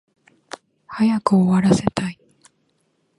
早く終わらせたい